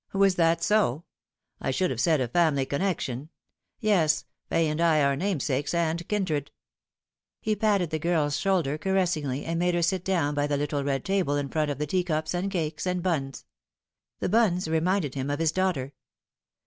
" Was that so ? I should have said a family connection. Yes, Fay and I are namesakes, and kindred." He patted the girl's shoulder caressingly, and made her sit down by the little red table in front of the teacups, and cakes, and buns. The buns reminded him of his daughter.